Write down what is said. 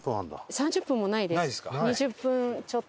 ３０分もないです。